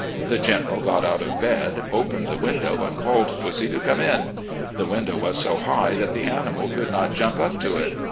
The General got out of bed, opened the window, and called pussy to come in. The window was so high that the animal could not jump up to it.